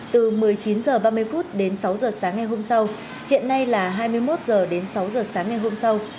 từ một mươi chín giờ ba mươi phút đến sáu giờ sáng ngày hôm sau hiện nay là hai mươi một giờ đến sáu giờ sáng ngày hôm sau